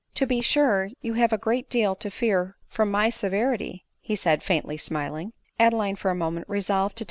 To be sure, you have a great deal to fear from my severity !" said, he, faintly smiling. Adeline for a moment resolved to.